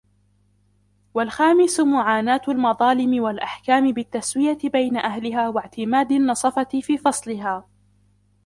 وَالْخَامِسُ مُعَانَاةُ الْمَظَالِمِ وَالْأَحْكَامِ بِالتَّسْوِيَةِ بَيْنَ أَهْلِهَا وَاعْتِمَادِ النَّصَفَةِ فِي فَصْلِهَا